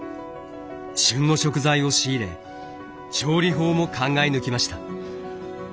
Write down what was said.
旬の食材を仕入れ調理法も考え抜きました。